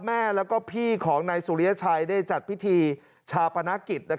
แม่แล้วก็พี่ของนายสุริยชัยได้จัดพิธีชาปนกิจ